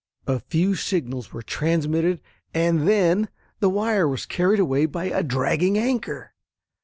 A few signals were transmitted and then the wire was carried away by a dragging anchor.